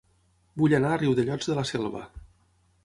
Vull anar a Riudellots de la Selva